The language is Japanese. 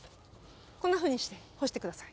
こんなふうにして干してください